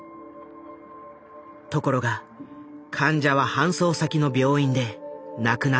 ところが患者は搬送先の病院で亡くなってしまった。